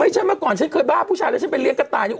เฮ้ยฉันมาก่อนฉันเคยบ้าผู้ชายแล้วฉันไปเรียกกระต่ายอยู่